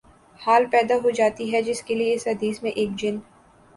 حال پیدا ہو جاتی ہے جس کے لیے اس حدیث میں ایک جن